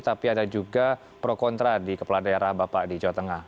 tapi ada juga pro kontra di kepala daerah bapak di jawa tengah